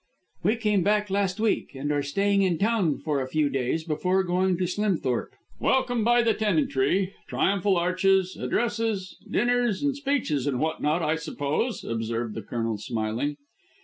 "We came back last week, and are staying in town for a few days before going to Slimthorp." "Welcome by the tenantry, triumphal arches, addresses, dinners and speeches, and what not, I suppose?" observed the Colonel smiling.